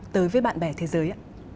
tới với bạn bè thế giới